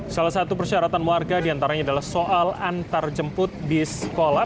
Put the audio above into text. salah satu persyaratan warga diantaranya adalah soal antarjemput di sekolah